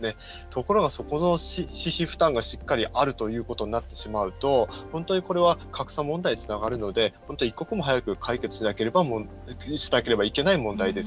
ところが、そこの私費負担がしっかりあるということになってしまうと、本当にこれは格差問題につながるので本当、一刻も早く解決しなければいけない問題です。